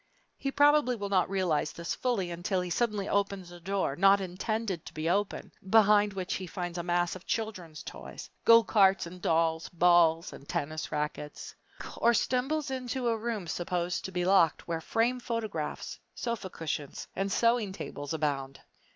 He probably will not realize this fully unless he suddenly opens a door, not intended to be opened, behind which he finds a mass of children's toys go carts and dolls, balls and tennis rackets or stumbles into a room supposed to be locked where framed photographs, sofa cushions, and sewing tables abound!